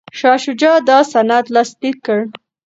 شاه شجاع دا سند لاسلیک کړ.